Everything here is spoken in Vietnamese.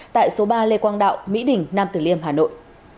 tại số ba lê quang đạo mỹ đình nam tử liêm hà nội